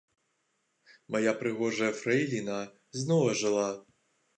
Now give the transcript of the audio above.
Мая прыгожая фрэйліна зноў ажыла.